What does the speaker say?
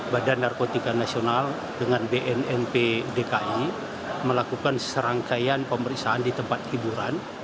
badan narkotika nasional dengan bnnp dki melakukan serangkaian pemeriksaan di tempat hiburan